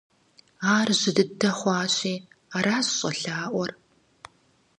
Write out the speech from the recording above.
Ар жьы дыдэ хъуащи, аращ щӀэлъаӀуэр.